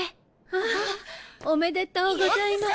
あっおめでとうございます！